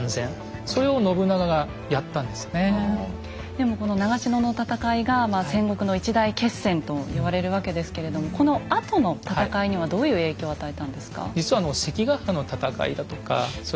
でもこの長篠の戦いが戦国の一大決戦と言われるわけですけれどもこのあとの戦いにはどういう影響を与えたんですか？